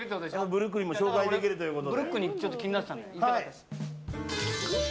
ブルックリンも紹介できるということで。